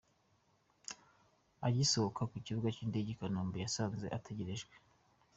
Agisohoka ku kibuga cy'indege i Kanombe yasanze ategerejwe.